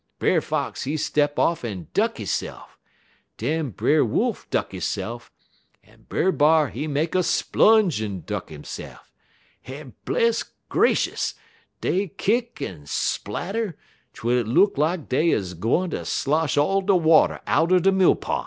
Brer Fox he step off en duck hisse'f; den Brer Wolf duck hisse'f; en Brer B'ar he make a splunge en duck hisse'f; en, bless gracious, dey kick en splatter twel it look lak dey 'uz gwine ter slosh all de water outer de mill pon'.